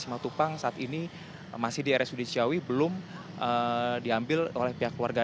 sema tupang saat ini masih di rspg cisarua belum diambil oleh pihak keluarga